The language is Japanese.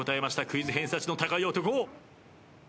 クイズ偏差値の高い男。